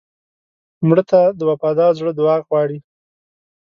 مړه ته د وفادار زړه دعا غواړو